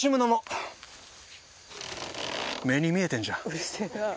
うるせえな。